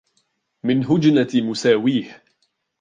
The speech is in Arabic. مِنْ هُجْنَةِ مُسَاوِيهِ